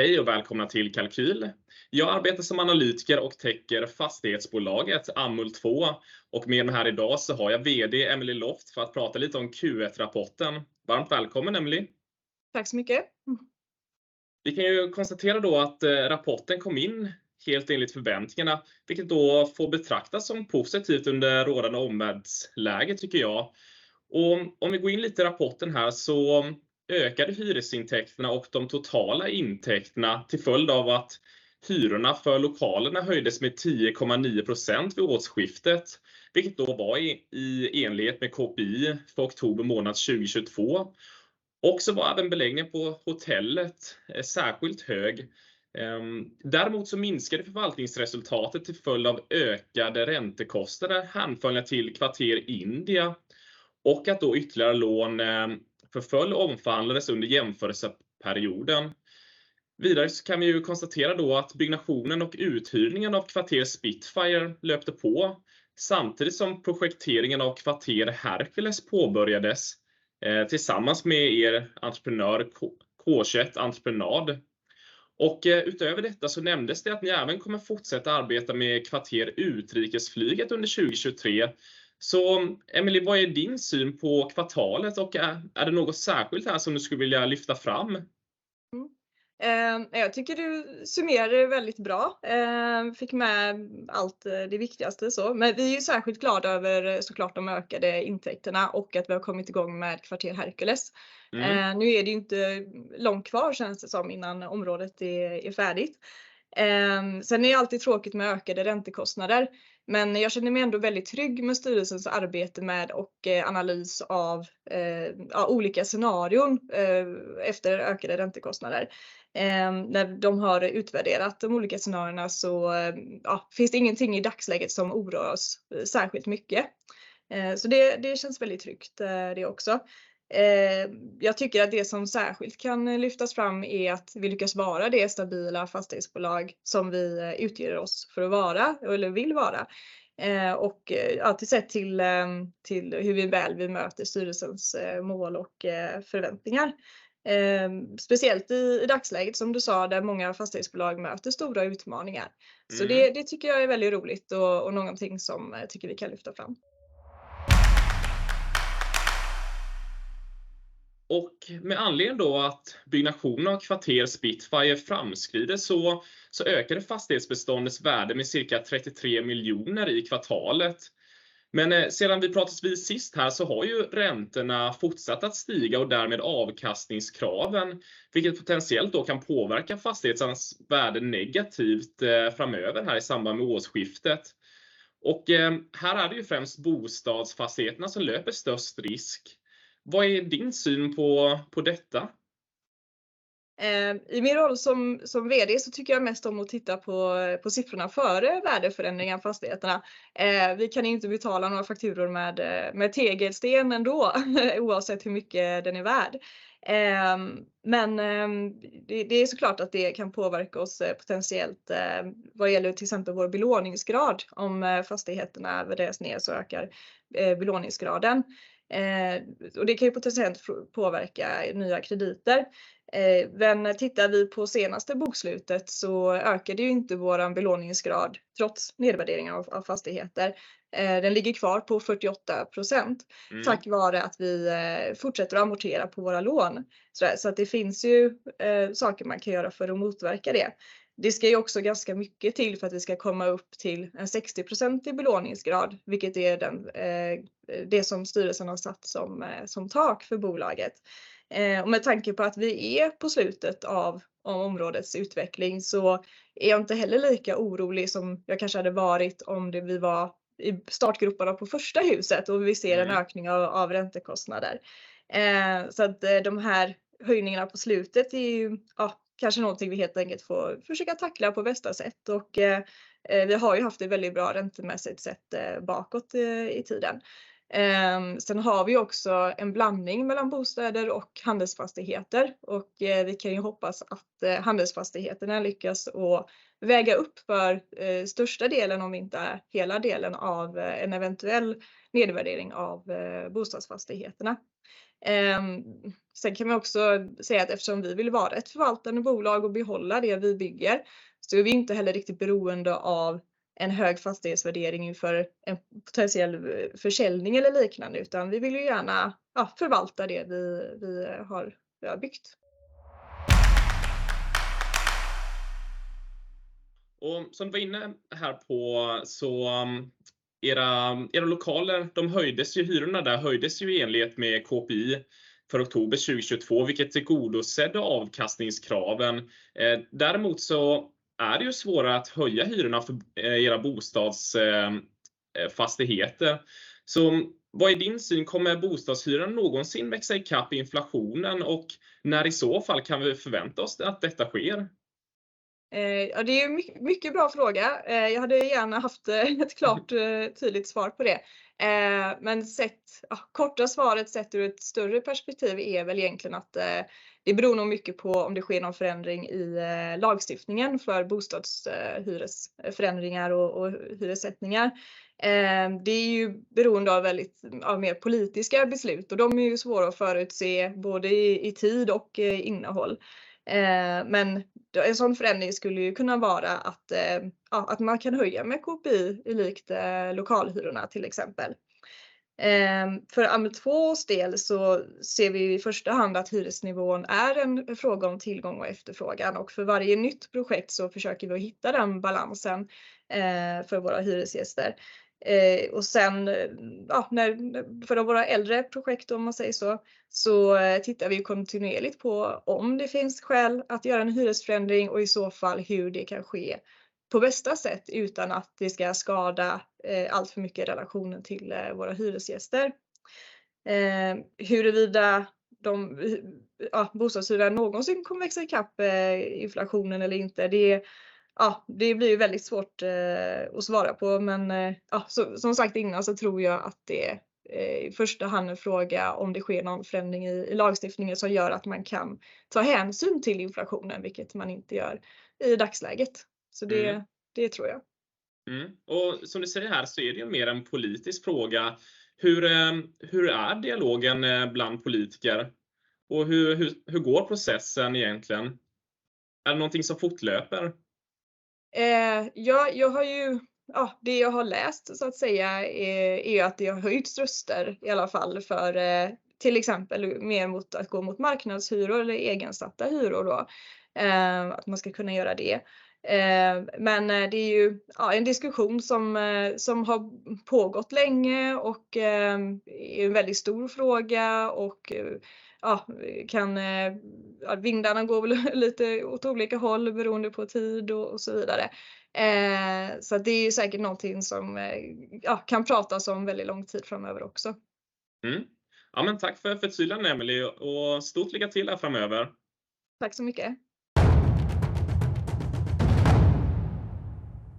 Hej och välkomna till Kalqyl. Jag arbetar som analytiker och täcker fastighetsbolaget Amhult 2. Med mig här idag så har jag VD Emilie Loft för att prata lite om Q1 rapporten. Varmt välkommen Emilie. Tack så mycket. Vi kan ju konstatera då att rapporten kom in helt enligt förväntningarna, vilket då får betraktas som positivt under rådande omvärldsläget tycker jag. Om vi går in lite i rapporten här så ökade hyresintäkterna och de totala intäkterna till följd av att hyrorna för lokalerna höjdes med 10.9% vid årsskiftet, vilket då var i enlighet med KPI för October 2022. Också var även beläggningen på hotellet särskilt hög. Däremot minskade förvaltningsresultatet till följd av ökade räntekostnader hänförliga till kvarter India och att då ytterligare lån förföll och omförhandlades under jämförelseperioden. Vidare kan vi ju konstatera då att byggnationen och uthyrningen av kvarter Spitfire löpte på, samtidigt som projekteringen av kvarter Herkules påbörjades, tillsammans med er entreprenör K21 Entreprenad. Utöver detta nämndes det att ni även kommer fortsätta arbeta med kvarter Utrikesflyget under 2023. Emilie, vad är din syn på kvartalet och är det något särskilt här som du skulle vilja lyfta fram? Jag tycker du summerar det väldigt bra. Fick med allt det viktigaste så. Vi är särskilt glada över så klart de ökade intäkterna och att vi har kommit i gång med kvarter Herkules. Nu är det inte långt kvar känns det som innan området är färdigt. Det är alltid tråkigt med ökade räntekostnader, men jag känner mig ändå väldigt trygg med styrelsens arbete med och analys av, ja, olika scenarion, efter ökade räntekostnader. När de har utvärderat de olika scenarierna finns det ingenting i dagsläget som oroar oss särskilt mycket. Det känns väldigt tryggt det också. Jag tycker att det som särskilt kan lyftas fram är att vi lyckas vara det stabila fastighetsbolag som vi utger oss för att vara eller vill vara. Till sett till hur väl vi möter styrelsens mål och förväntningar. Speciellt i dagsläget, som du sa, där många fastighetsbolag möter stora utmaningar. Det tycker jag är väldigt roligt och någonting som jag tycker vi kan lyfta fram. Med anledning då att byggnationen av kvarter Spitfire framskrider så ökade fastighetsbeståndets värde med cirka 33 million i kvartalet. Sedan vi pratades vid sist här så har ju räntorna fortsatt att stiga och därmed avkastningskraven, vilket potentiellt då kan påverka fastigheternas värde negativt framöver här i samband med årsskiftet. Här är det ju främst bostadsfastigheterna som löper störst risk. Vad är din syn på detta? I min roll som vd så tycker jag mest om att titta på siffrorna före värdeförändringen av fastigheterna. Vi kan inte betala några fakturor med tegelsten ändå, oavsett hur mycket den är värd. Men det är så klart att det kan påverka oss potentiellt vad gäller till exempel vår belåningsgrad. Om fastigheterna värderas ner så ökar belåningsgraden. Det kan ju potentiellt påverka nya krediter. Tittar vi på senaste bokslutet så ökade ju inte vår belåningsgrad trots nedvärdering av fastigheter. Den ligger kvar på 48% tack vare att vi fortsätter att amortera på våra lån. Det finns ju saker man kan göra för att motverka det. Det ska ju också ganska mycket till för att vi ska komma upp till en 60% belåningsgrad, vilket är den, det som styrelsen har satt som tak för bolaget. Med tanke på att vi är på slutet av områdets utveckling så är jag inte heller lika orolig som jag kanske hade varit om det vi var i startgroparna på första huset och vi ser en ökning av räntekostnader. De här höjningarna på slutet är ju, kanske någonting vi helt enkelt får försöka tackla på bästa sätt. Vi har ju haft det väldigt bra räntemässigt sett bakåt i tiden. Sen har vi också en blandning mellan bostäder och handelsfastigheter och vi kan ju hoppas att handelsfastigheterna lyckas att väga upp för största delen, om inte hela delen, av en eventuell nedvärdering av bostadsfastigheterna. Kan man också säga att eftersom vi vill vara ett förvaltande bolag och behålla det vi bygger, är vi inte heller riktigt beroende av en hög fastighetsvärdering för en potentiell försäljning eller liknande. Vi vill ju gärna förvalta det vi har byggt. Som du var inne här på era lokaler, de höjdes ju hyrorna där i enlighet med KPI för October 2022, vilket tillgodosett avkastningskraven. Däremot är det ju svårare att höja hyrorna för era bostadsfastigheter. Vad är din syn? Kommer bostadshyran någonsin växa ikapp inflationen och när i så fall kan vi förvänta oss att detta sker? Ja, det är ju mycket bra fråga. Jag hade gärna haft ett klart tydligt svar på det. Sett, ja korta svaret sett ur ett större perspektiv är väl egentligen att det beror nog mycket på om det sker någon förändring i lagstiftningen för bostadshyres förändringar och hyressättningar. Det är ju beroende av väldigt, av mer politiska beslut och de är ju svåra att förutse både i tid och innehåll. En sådan förändring skulle ju kunna vara att ja man kan höja med KPI i likt lokalhyrorna till exempel. För Amhult 2's del så ser vi i första hand att hyresnivån är en fråga om tillgång och efterfrågan. För varje nytt projekt så försöker vi hitta den balansen för våra hyresgäster. När för våra äldre projekt om man säger så tittar vi kontinuerligt på om det finns skäl att göra en hyresförändring och i så fall hur det kan ske på bästa sätt utan att det ska skada alltför mycket relationen till våra hyresgäster. Huruvida de bostadshyror någonsin kommer växa ikapp inflationen eller inte, det blir väldigt svårt att svara på. Som sagt innan så tror jag att det är i första hand en fråga om det sker någon förändring i lagstiftningen som gör att man kan ta hänsyn till inflationen, vilket man inte gör i dagsläget. Det, det tror jag. Som du säger här så är det mer en politisk fråga. Hur är dialogen bland politiker? Hur går processen egentligen? Är det någonting som fortlöper? Jag har ju, det jag har läst så att säga är ju att det har höjts röster i alla fall för till exempel mer mot att gå mot marknadshyror eller egeninställda hyror då. Att man ska kunna göra det. Det är ju en diskussion som har pågått länge och är en väldigt stor fråga. Vindarna går väl lite åt olika håll beroende på tid och så vidare. Det är säkert någonting som kan pratas om väldigt lång tid framöver också. ja men tack för besylande Emelie och stort lycka till här framöver. Tack så mycket.